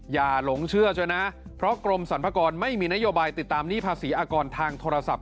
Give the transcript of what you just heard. หลงเชื่อใช่ไหมเพราะกรมสรรพากรไม่มีนโยบายติดตามหนี้ภาษีอากรทางโทรศัพท์